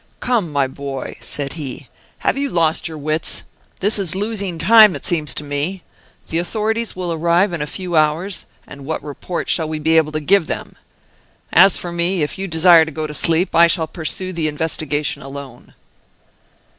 "Come! my boy," said he, "have you lost your wits? This is losing time, it seems to me. The authorities will arrive in a few hours, and what report shall we be able to give them! As for me, if you desire to go to sleep, I shall pursue the investigation alone."